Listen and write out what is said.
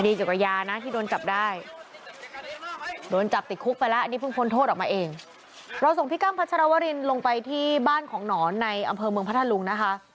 เราส่งพี่กั้มพัชรวรินลงไปที่บ้านของนอนในอำเภอเมืองพัทธลุงนะคะ